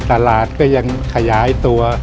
ตลาดก็ยังขยายตัว